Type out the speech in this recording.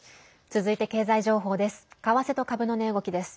続いて経済情報です。